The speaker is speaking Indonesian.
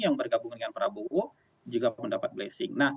yang bergabung dengan prabowo juga mendapat blessing